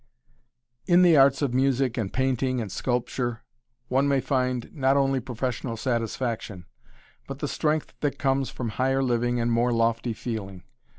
In the arts of music and painting and sculpture, one may find not only professional satisfaction, but the strength that comes from higher living and more lofty feeling.